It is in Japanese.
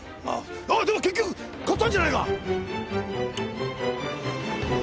ああでも結局買ったんじゃないか！